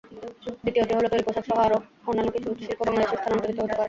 দ্বিতীয়টি হলো, তৈরি পোশাকসহ অন্যান্য কিছু শিল্প বাংলাদেশে স্থানান্তরিত হতে পারে।